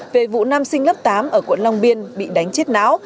về vụ nam sinh lớp tám ở quận long biên bị đánh chết não